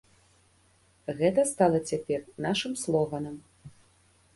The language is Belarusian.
Гэта стала цяпер нашым слоганам.